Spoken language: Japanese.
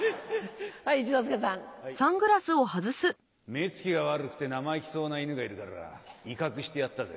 目つきが悪くて生意気そうない犬がいるから威嚇してやったぜ。